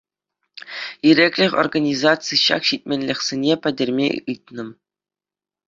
«Ирӗклӗх» организаци ҫак ҫитменлӗхсене пӗтерме ыйтнӑ.